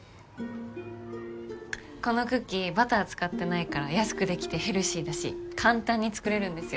このクッキーバター使ってないから安くできてヘルシーだし簡単に作れるんですよ。